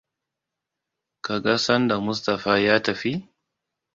Ka ga sanda Mustapha ya tafi?